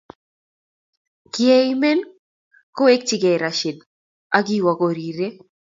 Kiei imen kowechikei Rashid ako kiwo kororie.